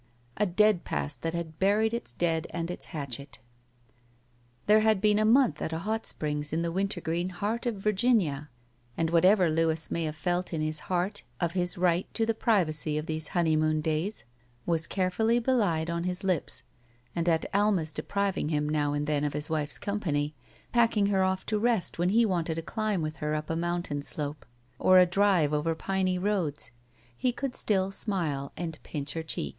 A dead past that had btiried its dead and its hatchet. There had been a month at a Hot Springs in the wintergreen heart of Virginia, and whatever Louis may have felt in his heart of his right to the privacy of these honeymoon days was carefully belied on his lips, and at Alma's depriving him now and then of his wife's company, packing her off to rest when he wanted a climb with her up a mountain slope or a drive over piny roads, he could still smile and pinch her cheek.